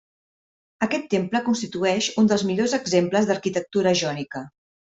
Aquest temple constitueix uns dels millors exemples d'arquitectura jònica.